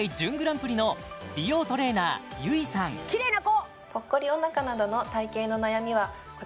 きれいな子！